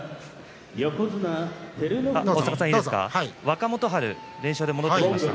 若元春、戻ってきました。